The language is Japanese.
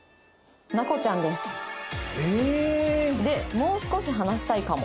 「もう少し話したいかも」